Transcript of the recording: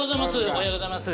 おはようございます。